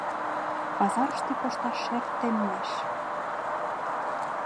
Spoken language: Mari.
Пазарыште кошташ шер теммеш.